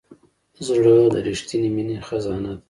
زړه د رښتینې مینې خزانه ده.